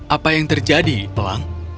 apa yang terjadi pelang